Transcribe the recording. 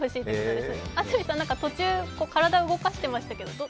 安住さん、途中、体動かしてましたけど。